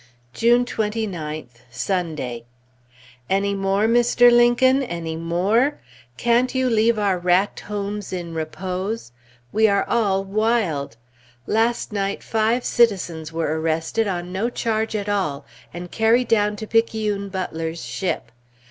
June 29th, Sunday. "Any more, Mr. Lincoln, any more?" Can't you leave our racked homes in repose? We are all wild. Last night, five citizens were arrested, on no charge at all, and carried down to Picayune Butler's ship.